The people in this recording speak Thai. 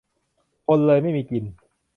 คนเลยไม่มีกิน